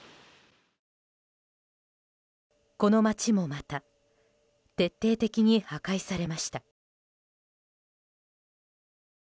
この街もまた徹底的に破壊されました。